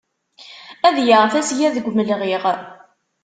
Ad yaɣ tasga deg umelɣiɣ.